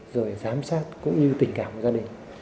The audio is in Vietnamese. rồi giám sát cũng như tình cảm của gia đình